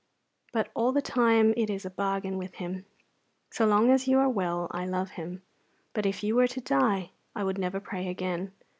But all the time it is a bargain with Him. So long as you are well I love Him, but if you were to die I would never pray again.